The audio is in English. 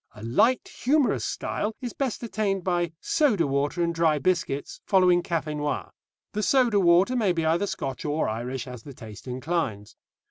A light humorous style is best attained by soda water and dry biscuits, following café noir. The soda water may be either Scotch or Irish as the taste inclines.